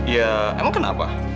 ya emang kenapa